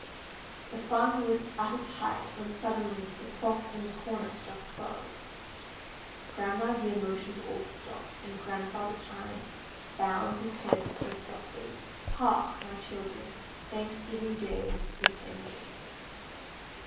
The fun was at its height when suddenly the clock in the corner struck twelve. Grandma Year motioned all to stop, and Grandfather Time, bowing his head, said softly, "Hark! my children, Thanksgiving Day is ended."